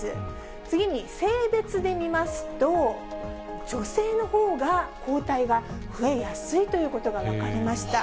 次に性別で見ますと、女性のほうが抗体が増えやすいということが分かりました。